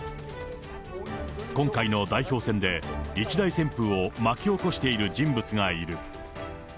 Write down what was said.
今回の代表選で、一大旋風を巻き起こしている人物がいる。